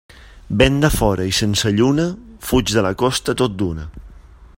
Vent de fora i sense lluna, fuig de la costa tot d'una.